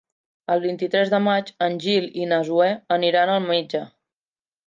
El vint-i-tres de maig en Gil i na Zoè aniran al metge.